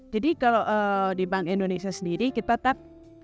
jadi kalau di bank indonesia sendiri kita tetap